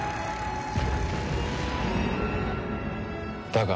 だが。